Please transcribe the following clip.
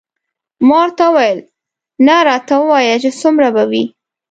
ما ورته وویل نه راته ووایه چې څومره به وي.